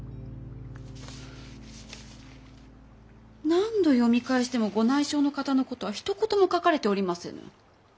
何度読み返してもご内証の方のことはひと言も書かれておりませぬ。